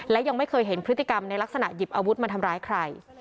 และยังไม่เคยเห็นพฤติกรรมในลักษณะหยิบอาวุธมาทำร้ายใคร